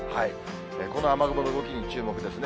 この雨雲の動きに注目ですね。